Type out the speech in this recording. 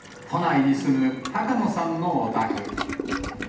都内に住む高野さんのお宅。